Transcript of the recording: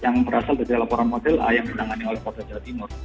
yang berasal dari laporan model a yang ditangani oleh polda jawa timur